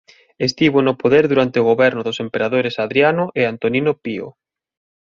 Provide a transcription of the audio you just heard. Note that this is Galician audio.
Estivo no poder durante o goberno dos emperadores Hadriano e Antonino Pío.